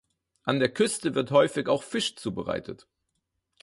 An der Küste wird häufig auch Fisch zubereitet.